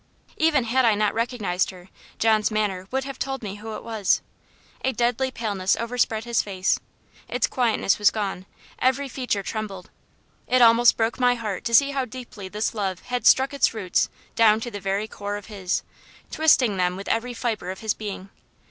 Even had I not recognized her, John's manner would have told me who it was. A deadly paleness overspread his face its quietness was gone every feature trembled. It almost broke my heart to see how deeply this love had struck its roots down to the very core of his; twisting them with every fibre of his being.